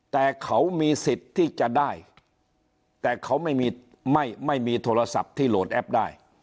แต่เขามีสิทธิ์ที่จะได้แต่เขาไม่มีไม่ไม่มีโทรศัพท์ที่โหลดแอปได้